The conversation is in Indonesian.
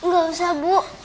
gak usah bu